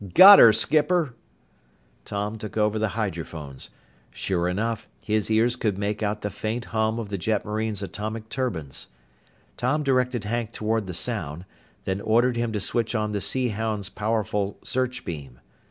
"Got her, skipper!" Tom took over the hydrophones. Sure enough, his ears could make out the faint hum of the jetmarine's atomic turbines. Tom directed Hank toward the sound, then ordered him to switch on the Sea Hound's powerful search beam.